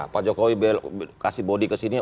pak jokowi kasih bodi ke sini